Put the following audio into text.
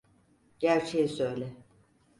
Gerçeği söyle.